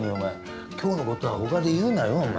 今日の事はほかで言うなよお前。